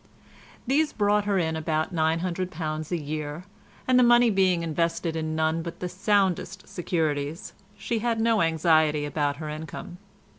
These brought her in about £900 a year, and the money being invested in none but the soundest securities, she had no anxiety about her income.